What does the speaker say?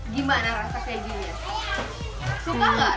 suka gak rasa keju